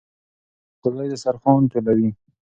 ګلالۍ دسترخوان ټولوي.